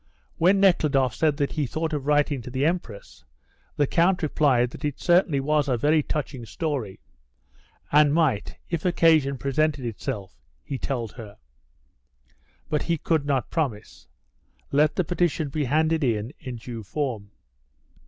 When Nekhludoff said that he thought of writing to the Empress, the Count replied that it certainly was a very touching story, and might, if occasion presented itself, he told her, but he could not promise. Let the petition be handed in in due form.